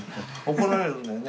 怒られるのよね。